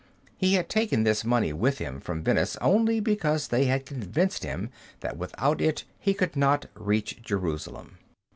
He had taken this money with him from Venice only because they had convinced him that without it he could not reach Jerusalem.